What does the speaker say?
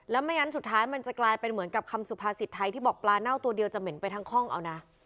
แล้วไม่งั้นสุดท้ายมันจะกลายเป็นเหมือนกับคำสุภาษิตไทยที่บอกปลาเน่าตัวเดียวจะเหม็นไปทั้งห้องเอานะ